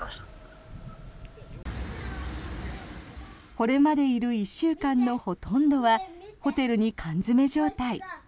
これまでいる１週間のほとんどはホテルに缶詰め状態。